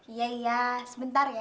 iya iya sebentar ya